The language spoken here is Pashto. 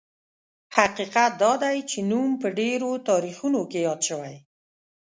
حقیقت دا دی چې نوم په ډېرو تاریخونو کې یاد شوی.